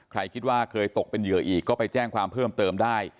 ใครคิดว่าเคยตกเป็นเหยื่ออีกก็ไปแจ้งความเพิ่มเติมได้